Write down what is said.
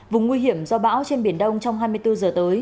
vùng nguy hiểm do bão trên biển đông trong hai mươi bốn giờ tới